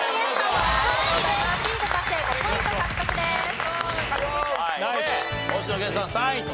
はい星野源さん３位と。